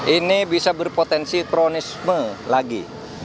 ini bisa berpotensi kronisme lagi